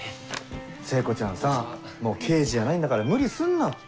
聖子ちゃんさぁもう刑事じゃないんだから無理すんなって。